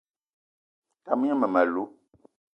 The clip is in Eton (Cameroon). Tam gne mmem- alou